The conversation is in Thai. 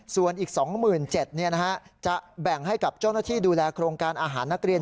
ส่วนอีก๒๗๐๐บาทจะแบ่งให้กับเจ้าหน้าที่ดูแลโครงการอาหารนักเรียน